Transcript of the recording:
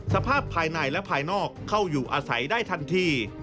สภาพภายในและภายนอกเข้าอยู่อาศัยได้ทันที